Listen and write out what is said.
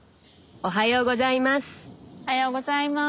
おはようございます。